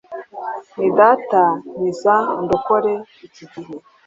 Nti, Data, nkiza undokore iki gihe."